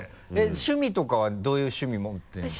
趣味とかはどういう趣味持ってるんですか？